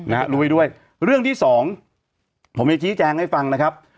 รู้ไว้ด้วยเรื่องที่สองผมจะชี้แจงให้ฟังนะครับ